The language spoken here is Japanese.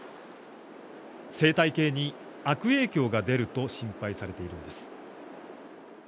生態系に悪影響が出ると心配されているんです。